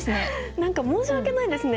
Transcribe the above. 何か申し訳ないですね。